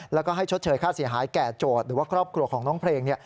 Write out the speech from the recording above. แล้วก็ให้ชดเชยค่าเสียหายแก่โจทย์หรือว่าครอบครัวของน้องเพลง